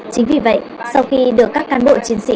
chính vì vậy sau khi được các cán bộ chiến sĩ